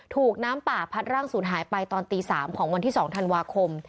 ถูกน้ำป่าพัดร่างศูนย์หายไปตอนตี๓ของวันที่๒ธันวาคม